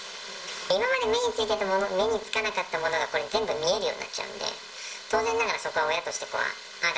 今まで目についていたもの、目につかなかったものが、これ、全部、見えるようになっちゃうので、当然ながら、そこは親として、ああだ